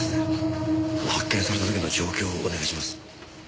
発見された時の状況をお願いします。